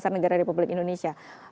negara republik indonesia